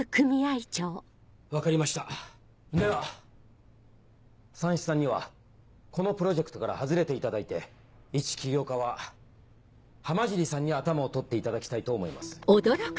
分かりましたではさんしさんにはこのプロジェクトから外れていただいて一企業化は浜尻さんに頭を取っていただきたいと思います。